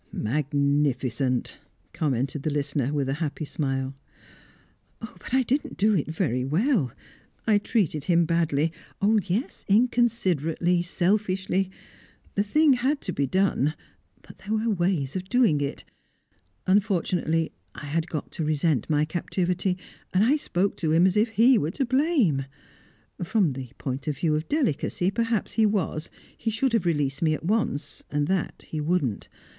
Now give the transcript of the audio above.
"Magnificent!" commented the listener, with a happy smile. "Ah! but I didn't do it very well. I treated him badly yes, inconsiderately, selfishly. The thing had to be done but there were ways of doing it. Unfortunately I had got to resent my captivity, and I spoke to him as if he were to blame. From the point of view of delicacy, perhaps he was; he should have released me at once, and that he wouldn't.